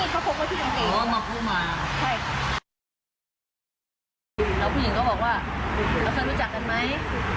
แล้วผู้หญิงก็บอกว่าแล้วเคยรู้จักกันไหม